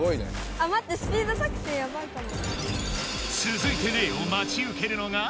あ待ってスピード作戦ヤバいかも。